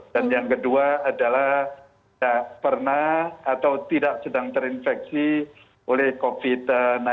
dan yang kedua adalah tidak pernah atau tidak sedang terinfeksi oleh covid sembilan belas